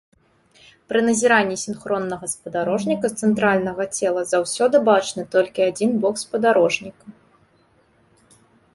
Пры назіранні сінхроннага спадарожніка з цэнтральнага цела заўсёды бачны толькі адзін бок спадарожніка.